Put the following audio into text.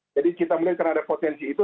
jadi kita melihat di berry potensi itu